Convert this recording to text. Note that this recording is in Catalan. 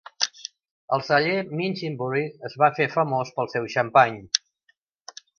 El celler Minchinbury es va fer famós pel seu xampany.